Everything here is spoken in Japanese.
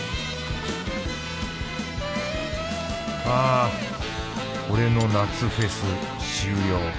あ俺の夏フェス終了